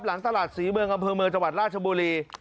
หลังตลาดศรีเมืองอำเภอเมืองจังหวัดราชบุรี